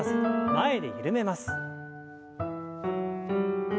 前で緩めます。